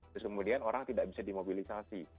terus kemudian orang tidak bisa dimobilisasi